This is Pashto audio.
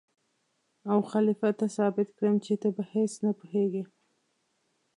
او خلیفه ته ثابت کړم چې ته په هېڅ نه پوهېږې.